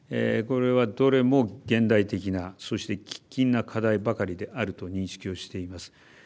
これはどれも現代的なそして喫緊な課題ばかりであると認識をしています。